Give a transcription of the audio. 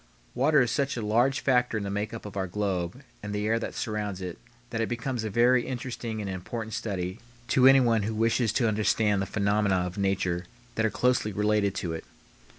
Water is such a large factor in the make up of our globe and the air that surrounds it that it becomes a very interesting and important study to anyone who wishes to understand the phenomena of nature that are closely related to it.